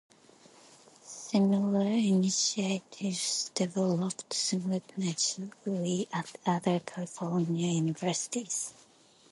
Similar initiatives developed simultaneously at other California universities.